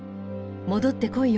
戻ってこいよ」。